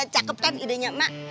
cakep kan idenya mak